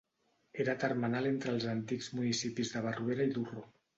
Era termenal entre els antics municipis de Barruera i Durro.